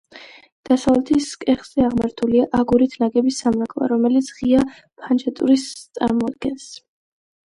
დასავლეთის კეხზე აღმართულია აგურით ნაგები სამრეკლო, რომელიც ღია ფანჩატურს წარმოადგენს.